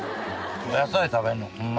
お野菜食べんのホンマ